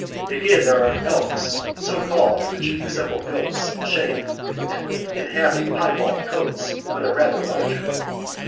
^ 27. Again, there are elks, so called, which resemble goats in shape and in having piebald coats, but are rather larger.